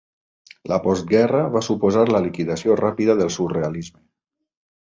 La postguerra va suposar la liquidació ràpida del surrealisme.